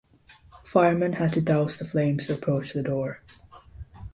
Firemen had to douse the flames to approach the door.